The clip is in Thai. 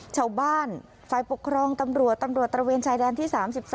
ชาวบ้านฝ่ายปกครองตำรวจตำรวจตระเวนชายแดนที่๓๒